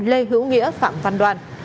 lê hữu nghĩa phạm văn đoàn